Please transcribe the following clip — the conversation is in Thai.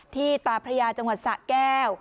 ตาพระยาจังหวัดสะแก้ว